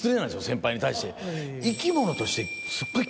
先輩に対して。